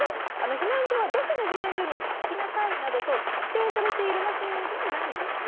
避難所はどこの避難所に行きなさいなどと指定されているわけではないんですね。